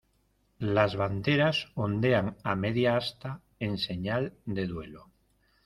Las banderas ondean a media asta en señal de duelo.